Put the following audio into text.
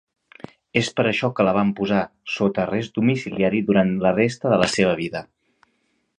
És per això que la van posar sota arrest domiciliari durant la resta de la seva vida.